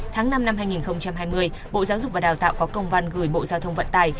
tháng năm năm hai nghìn hai mươi bộ giáo dục và đào tạo có công văn gửi bộ giao thông vận tài